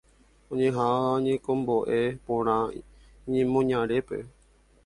oñeha'ãva ohekombo'e porã iñemoñarépe.